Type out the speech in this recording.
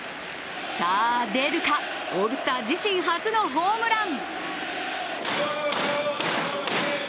さあ出るか、オールスター自身初のホームラン。